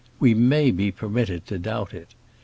We may be permitted to doubt it.